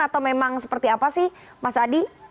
atau memang seperti apa sih mas adi